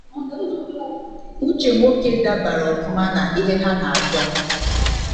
Uche Nwoko dabara ọfụma na ihe ha n'achọ.